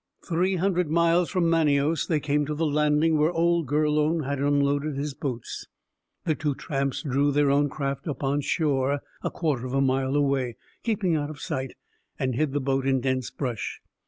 Three hundred miles from Manaos, they came to the landing where old Gurlone had unloaded his boats. The two tramps drew their own craft up on shore a quarter of a mile away, keeping out of sight, and hid the boat in dense brush.